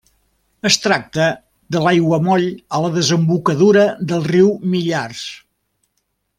Es tracta de l'aiguamoll a la desembocadura del riu Millars.